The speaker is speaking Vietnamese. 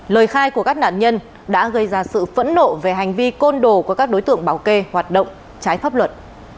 lời khai của các nạn nhân đã gây ra sự phẫn nộ về hành vi côn đồ của các đối tượng bảo kê hoạt động trái pháp luật